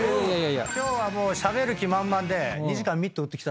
今日はもうしゃべる気満々で。